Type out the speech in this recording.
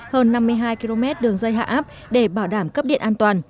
hơn năm mươi hai km đường dây hạ áp để bảo đảm cấp điện an toàn